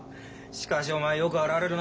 しかしお前よく現れるな。